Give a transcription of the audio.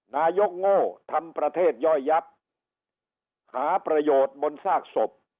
นายกโง่ทำประเทศย่อยยับหาประโยชน์บนซากศพ